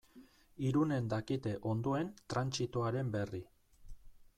Irunen dakite ondoen trantsitoaren berri.